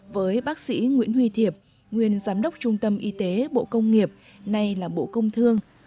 với bác sĩ nguyễn huy thiệp nguyên giám đốc trung tâm y tế bộ công nghiệp nay là bộ công thương